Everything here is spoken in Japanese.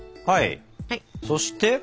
はいそして？